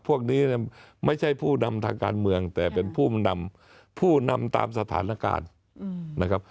พวกนี้ไม่ใช่ผู้นำทางการเมืองแต่เป็นผู้นำผู้นำตามสถานการณ์นะครับ